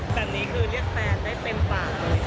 หรือเรียกแฟนได้เต็มปาก